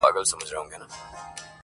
هر يوه يې افسانې بيانولې٫